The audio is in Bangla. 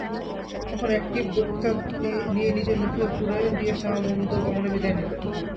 তখন এক টিপ দোক্তা নিয়ে নিজের মুখে পুরে দিয়ে শ্যামা মন্দগমনে বিদায় নিলে।